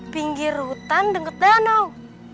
pinggir hutan deket danau